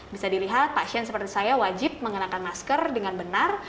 bisa dilihat pasien seperti saya wajib mengenakan masker dengan benar